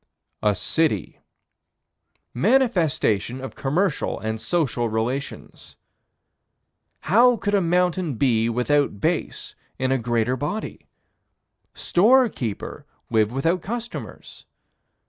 A city. Manifestation of commercial and social relations. How could a mountain be without base in a greater body? Storekeeper live without customers?